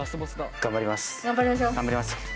頑張ります。